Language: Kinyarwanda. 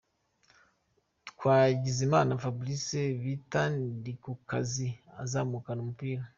Twagizimana Fabrice bita Ndikukazi azamukana umupira .